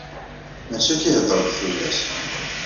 Mačči akka i heddrent tullas.